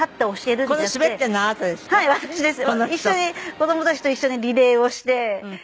子供たちと一緒にリレーをして。